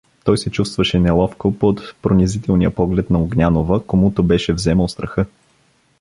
Той се чувствуваше неловко под пронизителния поглед на Огнянова, комуто беше вземал страха.